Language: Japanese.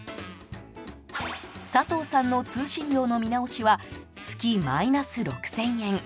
佐藤さんの通信料の見直しは月マイナス６０００円。